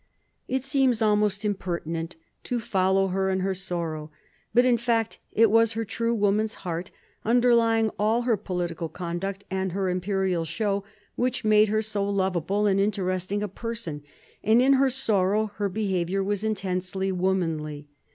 It seems almost impertinent to follow her in her sorrow. But, in fact, it was her true woman's heart, underlying all her political conduct and her imperial show, which made her so lovable and interesting a person; and in her sorrow her behaviour was intensely womanly.